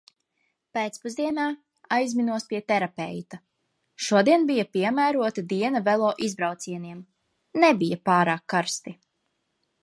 Pēcpusdienā aizminos pie terapeita – šodien bija piemērota diena velo izbraucieniem, nebija pārāk karsti.